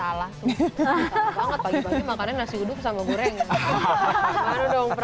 salah banget pagi pagi makan nasi uduk sama goreng